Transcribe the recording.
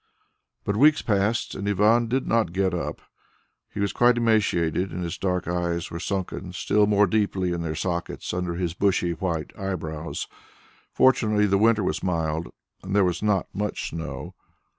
But weeks passed, and Ivan did not get up. He was quite emaciated, and his dark eyes were sunken still more deeply in their sockets, under his bushy white eye brows. Fortunately the winter was mild, and there was not much snow.